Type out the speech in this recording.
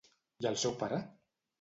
I al seu pare?